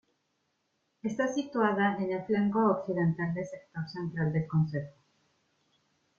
Está situada en el flanco occidental del sector central del concejo.